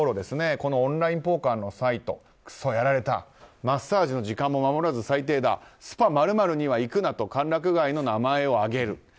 このオンラインポーカーのサイトくそ、やられたマッサージの時間も守らず最低だスパ○○には行くなと歓楽街の名前を挙げる。